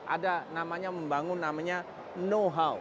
ada namanya membangun namanya know how